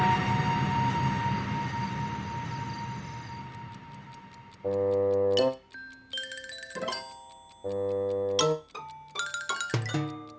โอ้โหอ้าว